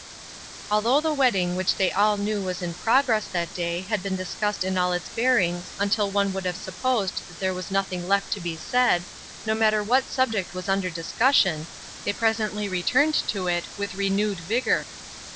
Although the wedding which they all knew was in progress that day had been discussed in all its bearings until one would have supposed that there was nothing left to be said, no mat ter what subject was under discussion, they presently returned to it with renewed vigor.